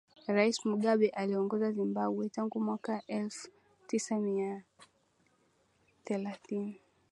rais mugabe aliongoza zimbabwe tangu mwaka wa elfu tisa mia themanini